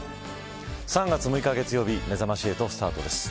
３月６日月曜日めざまし８スタートです。